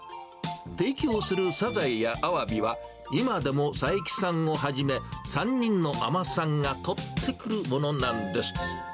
提供するサザエやアワビは、今でも佐伯さんをはじめ、３人の海女さんが取ってくるものなんです。